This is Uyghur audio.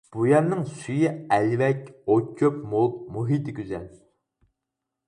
بۇ يەرنىڭ سۈيى ئەلۋەك، ئوت-چۆپ مول، مۇھىتى گۈزەل.